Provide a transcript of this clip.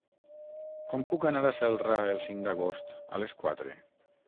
Com puc anar a Celrà el cinc d'agost a les quatre?